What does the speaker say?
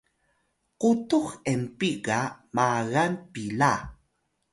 qutux enpit ga magan pila